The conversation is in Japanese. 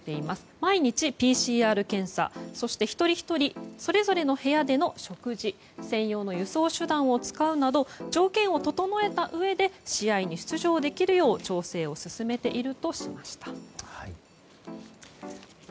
毎日ＰＣＲ検査そして、一人ひとりそれぞれの部屋での食事専用の輸送手段を使うなど条件を整えたうえで試合に出場できるよう調整を進めているとしました。